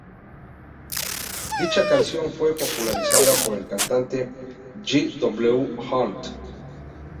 Dicha canción fue popularizada por el cantante G. W. Hunt.